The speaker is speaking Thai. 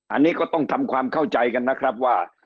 อันนี้ก็ต้องทำความเข้าใจกันนะครับว่า